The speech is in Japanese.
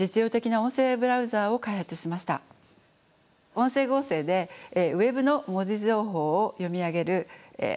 音声合成でＷｅｂの文字情報を読み上げるソフトウェアです。